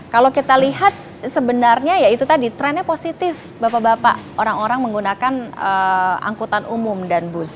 kalau kita lihat sebenarnya ya itu tadi trennya positif bapak bapak orang orang menggunakan angkutan umum dan bus